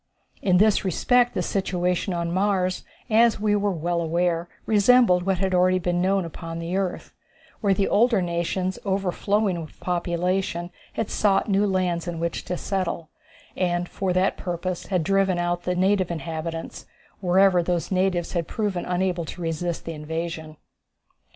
In this respect the situation on Mars, as we were well aware, resembled what had already been known upon the earth, where the older nations overflowing with population had sought new lands in which to settle, and for that purpose had driven out the native inhabitants, whenever those natives had proven unable to resist the invasion.